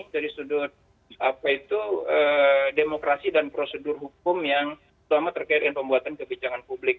dari sudut apa itu demokrasi dan prosedur hukum yang selama terkait dengan pembuatan kebijakan publik